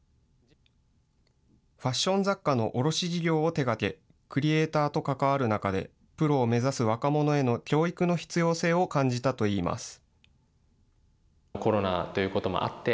ファッション雑貨の卸事業を手がけ、クリエイターと関わる中で、プロを目指す若者への教育の必要性を感じたといいます。